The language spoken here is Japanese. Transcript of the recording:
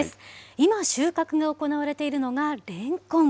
今、収穫が行われているのがレンコン。